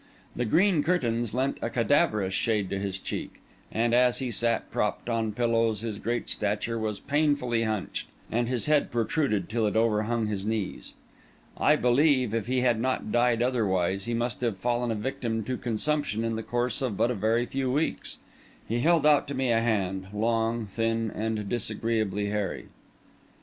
The green curtains lent a cadaverous shade to his cheek; and, as he sat propped on pillows, his great stature was painfully hunched, and his head protruded till it overhung his knees. I believe if he had not died otherwise, he must have fallen a victim to consumption in the course of but a very few weeks. He held out to me a hand, long, thin, and disagreeably hairy.